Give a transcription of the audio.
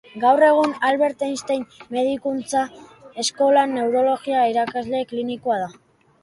Gaur egun Albert Einstein Medikuntza Eskolan neurologia irakasle klinikoa da.